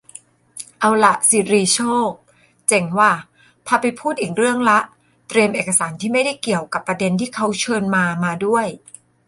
เอาล่ะ ศิริโชค เจ๋งว่ะ พาไปพูดอีกเรื่องละ เตรียมเอกสาร-ที่ไม่ได้เกี่ยวกะประเด็นที่เขาเชิญมา-มาด้วย